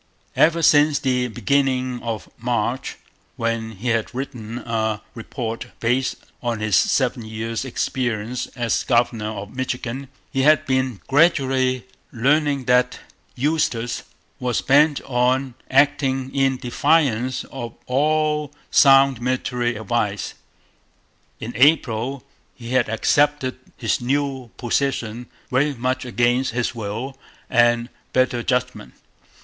Ever since the beginning of March, when he had written a report based on his seven years' experience as governor of Michigan, he had been gradually learning that Eustis was bent on acting in defiance of all sound military advice. In April he had accepted his new position very much against his will and better judgment.